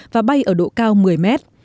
và bay ở độ cao một mươi mét